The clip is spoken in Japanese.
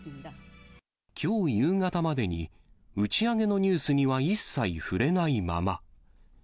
きょう夕方までに、打ち上げのニュースには一切触れないまま。